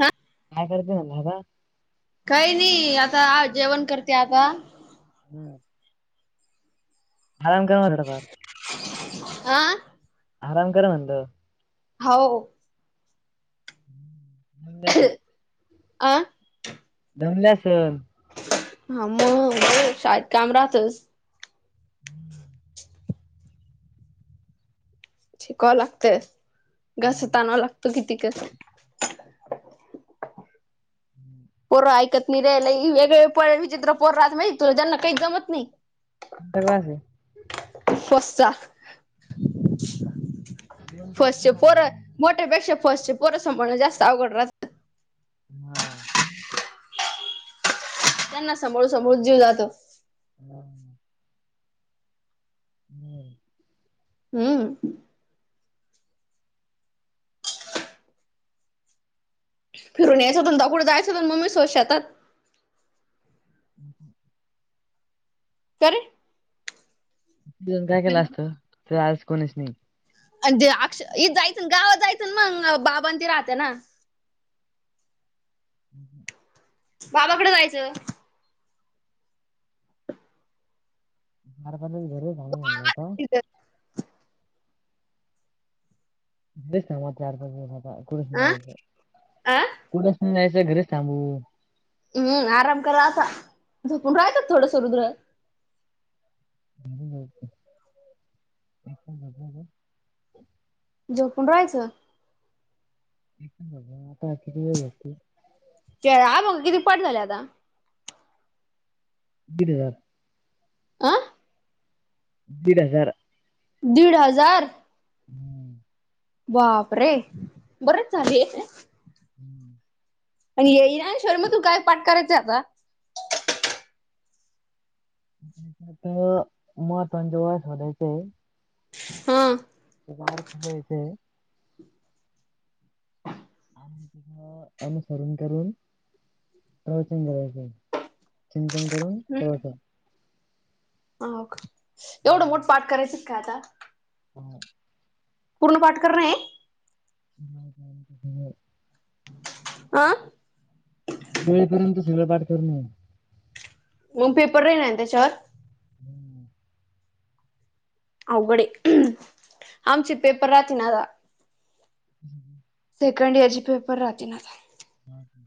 हा काय करते ना ना हग [unintelligible] काही नाही आता जेवण करते आता हम्म आराम काव पार [unintelligible] आं आराम करा म्हणल हाव [unintelligible] आ [unintelligible] हा मग शाळेत काम राहतस हम्म [unintelligible] शिकवावं लागतेय घस ताणावं लागत किती कस हम्म [unintelligible] पोर ऐकत नाही रे वेगळेळे प विचित्र पोरराच माहिित तु ज्यांना काही जमत नाही का अस [unintelligible] पस्ा [unintelligible] दोन पाप फस्ट चे पुन्हा. पोर मोठ्यापेक्षा फस्ट चे पोर सांभाळणं जास्त अवघड राह हा त्यांना सांभाळून सांभाळून जीव जातो हम् हम्म हम्म फिरून याच दोनदा कुठ जायचं [unintelligible] हम हम का रे तिथं जाऊन काय केले असत तेथ आज कोणीच नाही आणि अक्ष इ जायचं गावात जायचं मग बाबां त राहते ना हम् हम बाबाकड जायचं [unintelligible] [unintelligible] कुठेच आ नाही जायचं आ कुठच नाही जायचं घरच थांबू हम्म आराम करा आता झोपण राहयत थोडस रुद्र [unintelligible] जोपून राहायचं [unintelligible] किती वेळ झोपते [unintelligible] किती पड झाले आता दीड हजार आ? दीड हजार. दीड हजार! हम्म. बाप रे! बरेच झाले. हम्म. आणि ये इरान शर्मा तू काय पाठ करायच आता? म आता मला पण [unintelligible] हा. पगार द्यायचाय. अनुसरण करून प्रवचन करायचंय. चिंतन करून प्रवचन. हो का? एवढं मोठ पाठ करायच काय आता? हम. पूर्ण पाठ करणये? [unintelligible] आं? [unintelligible] पर्यंत सगळं पाठ करणय. मग पेपर राहिणार ना त्याच्यावर? हम्म. अवघडये. आमचे पेपर राहते ना. हम्. सेकंड इयर चे पेपर राहतील आता. हा का?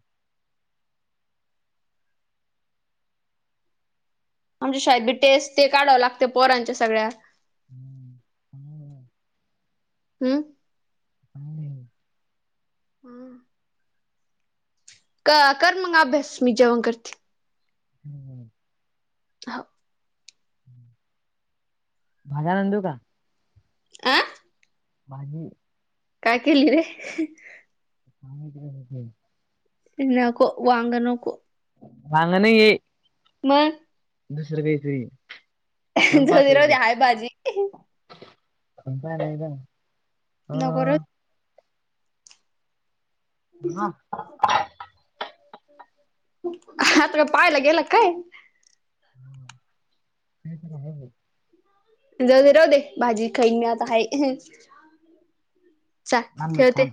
आमच्या शाळेत बी टेस्ट ते काढावं लागत पोरांच्या सगळ्या. हम्म हम. हम्? हम्म. हां. क कर मग अभ्यास. मी जेवण करते. हम् हम्. हो. मला म्हणली का? आ? भाजी? काय केलीए? वांग्याची [unintelligible] नको. वांग नको. वांग नाहीए. मग? दुसर काहीतरीए. तुमचं बी राहू दे. आहे भाजी. [unintelligible] काय ए? नगर. पुना. आतल पाहायला गेला का काय? हं. ते तर होणारच. जाऊ दे. राहू दे भाजी खाईन मी आता आहे. चला थांब थांब. ठेवते.